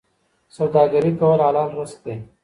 سوداګري کول حلال رزق دی.